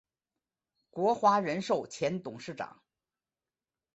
国华人寿前董事长。